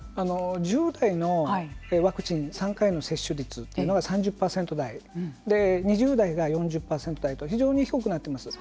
１０代のワクチン３回の接種率というのが３０％台で２０代が４０％台と非常に低くなっています。